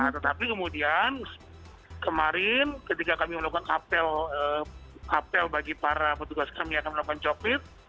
nah tetapi kemudian kemarin ketika kami melakukan kapel bagi para petugas kami yang melakukan covid